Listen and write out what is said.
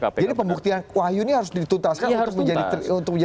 jadi pembuktian wahyu ini harus dituntaskan untuk menjadi persidangan yang bagus